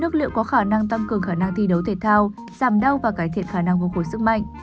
nước lựu có khả năng tăng cường khả năng thi đấu thể thao giảm đau và cải thiện khả năng vô khối sức mạnh